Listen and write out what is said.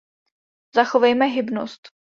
Zachovejme hybnost.